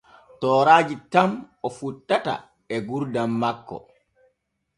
Tooraaji tan o fottata e gurdam makko.